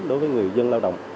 đối với người dân lao động